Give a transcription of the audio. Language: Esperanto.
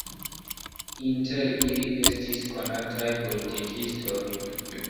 Inter ili estis konataj politikistoj.